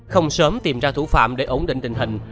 không sớm tìm ra thủ phạm để ổn định tình hình